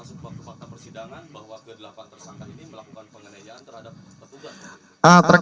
tergantung ya ketika waktu penyidikan termasuk waktu waktu persidangan bahwa ke delapan tersangka ini melakukan pengenayaan terhadap tetugas